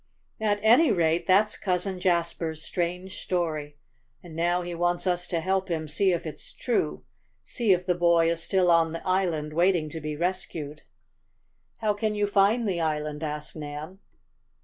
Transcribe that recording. "At any rate that's Cousin Jasper's strange story. And now he wants us to help him see if it's true see if the boy is still on the island waiting to be rescued." "How can you find the island?" asked Nan.